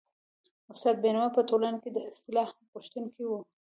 استاد بينوا په ټولنه کي د اصلاح غوښتونکی و.